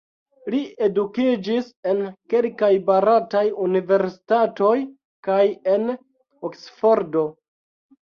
Li edukiĝis en kelkaj barataj universitatoj kaj en Oksfordo.